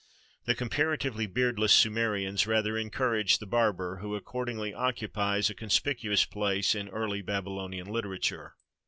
The comparatively beardless Sumerians rather encouraged the barber, who accordingly occupies a conspicuous place in early Babylonian literature.